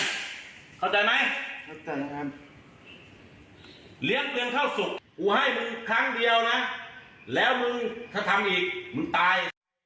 เกรงเท่าศุกร์กูให้มึงครั้งเดียวนะแล้วมึงถ้าทำอีกมึงตาย